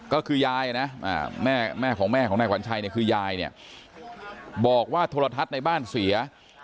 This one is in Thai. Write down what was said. ก็คือยายนะแม่ของแม่ของแม่ขวัญชัยคือยายบอกว่าโทรทัศน์ในบ้านเสีย